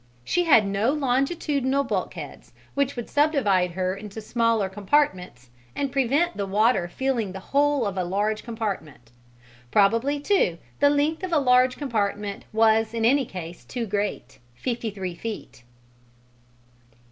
She had no longitudinal bulkheads, which would subdivide her into smaller compartments and prevent the water filling the whole of a large compartment. Probably, too, the length of a large compartment was in any case too great fifty three feet.